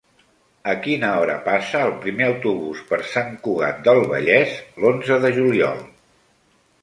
A quina hora passa el primer autobús per Sant Cugat del Vallès l'onze de juliol?